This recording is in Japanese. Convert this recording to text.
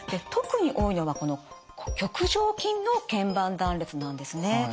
特に多いのはこの棘上筋の腱板断裂なんですね。